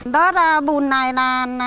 đất bùn này là